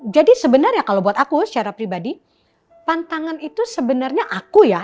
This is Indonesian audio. jadi sebenarnya kalau buat aku secara pribadi pantangan itu sebenarnya aku ya